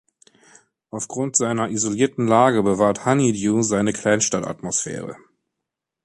Aufgrund seiner isolierten Lage bewahrt Honeydew seine Kleinstadt-Atmosphäre.